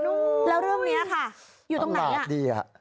แล้วเรื่องนี้ค่ะอยู่ตรงไหน